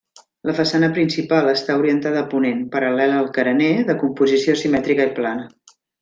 La façana principal està orientada a ponent, paral·lela al carener, de composició simètrica i plana.